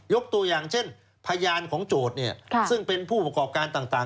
ตัวอย่างเช่นพยานของโจทย์ซึ่งเป็นผู้ประกอบการต่าง